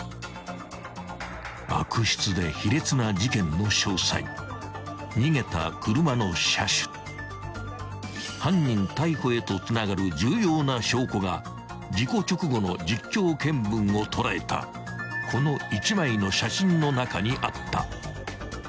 ［悪質で卑劣な事件の詳細逃げた車の車種犯人逮捕へとつながる重要な証拠が事故直後の実況見分を捉えたこの１枚の写真の中にあった］